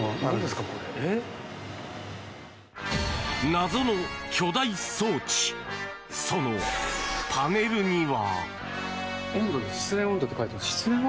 謎の巨大装置そのパネルには。